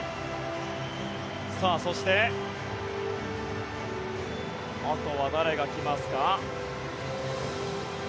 そして、あとは誰が来ますか？